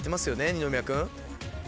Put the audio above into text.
二宮君？